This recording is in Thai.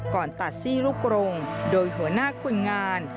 ก่อนตัดซี่ลูกกรงโดยหัวหน้าคนงาน